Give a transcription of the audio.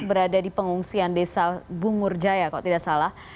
berada di pengungsian desa bungur jaya kalau tidak salah